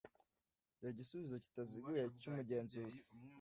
dore igisubizo kitaziguye cy'umugenzuzi